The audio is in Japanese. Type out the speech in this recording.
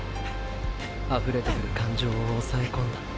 あふれてくる感情をおさえこんだ。